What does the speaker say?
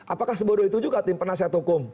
apakah sebodoh itu juga tim penasehat hukum